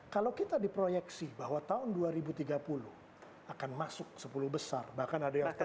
kalau kita diproyeksi bahwa tahun dua ribu tiga puluh akan masuk sepuluh besar bahkan ada yang tiga puluh